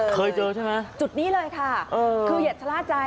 เจอใช่ไหมครับจุดนี้เลยค่ะคืออย่าทะละใจ